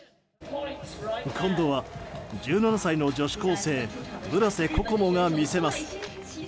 今度は１７歳の女子高生村瀬心椛が見せます。